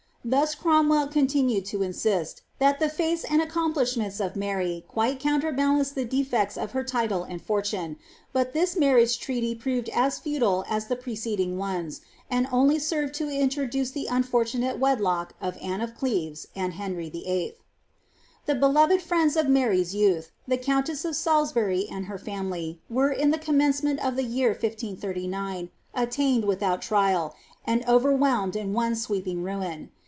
^'' Thus Crornvfii continued to insist, that the face and accomplishments of Mark* quiw counterbalanced the defects of her title and fortune; but this marriafr treaty proved as futile as the preceiiing ones, and only served to intro duce the unfortunate wedlock of Anne of Cleves and Heurv Vill. The beloveil friends of Marv's vouth. the countess of Salisborv wi her family, were, in the commencement of the vear 1539, attainted without trial, and overwhelmed in one sweeping ruin.